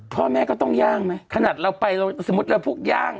พ่อแม่ก็ต้องย่างไหมขนาดเราไปเราสมมุติเราพวกย่าง